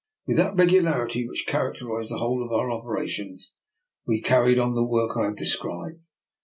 With that regularity which char acterized the whole of our operations, we car ried on the work I have described.